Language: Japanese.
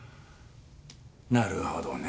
なるほどね。